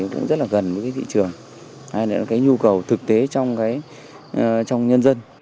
cũng rất gần với thị trường hay là nhu cầu thực tế trong nhân dân